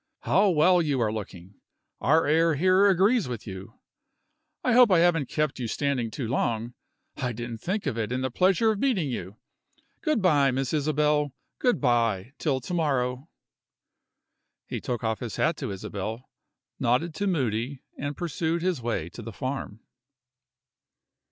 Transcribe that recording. How well you are looking! our air here agrees with you. I hope I haven't kept you standing too long? I didn't think of it in the pleasure of meeting you. Good by, Miss Isabel; good by, till to morrow!" He took off his hat to Isabel, nodded to Moody, and pursued his way to the farm.